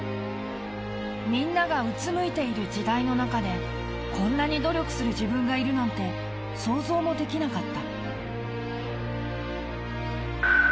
みんながうつむいている時代の中でこんなに努力する自分がいるなんて想像もできなかった。